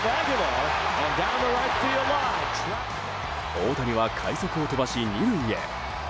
大谷は、快足を飛ばし２塁へ。